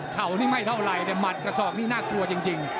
เขานี่ไม่เท่าไรแต่หมัดกระสอกนี่น่ากลัวจริงจริง